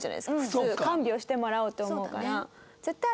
普通看病してもらおうって思うから。